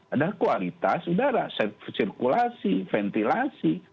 adalah kualitas udara sirkulasi ventilasi